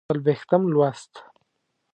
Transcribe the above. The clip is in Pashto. څلوېښتم لوست